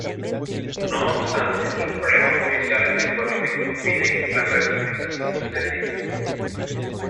No obstante, los problemas judiciales temporalmente impiden la reutilización del edificio.